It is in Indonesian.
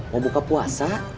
mau buka puasa